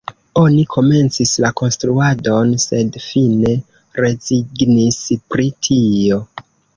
Oni komencis la konstruadon, sed fine rezignis pri tio.